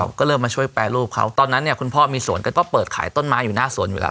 ก็เริ่มมาช่วยแปรรูปเขาตอนนั้นเนี่ยคุณพ่อมีสวนก็ต้องเปิดขายต้นไม้อยู่หน้าสวนอยู่แล้ว